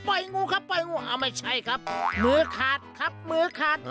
ปล่อยงูไม่ใช่ครับมือขาดครับมือขาด